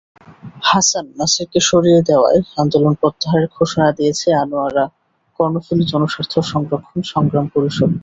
হাসান নাছিরকে সরিয়ে দেওয়ায় আন্দোলন প্রত্যাহারের ঘোষণা দিয়েছে আনোয়ারা-কর্ণফুলী জনস্বার্থ সংরক্ষণ সংগ্রাম পরিষদ।